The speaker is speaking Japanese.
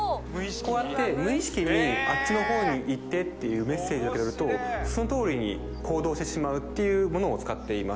こうやって無意識に「あっちのほうに行って」っていうメッセージを受け取るとそのとおりに行動してしまうっていうものを使っています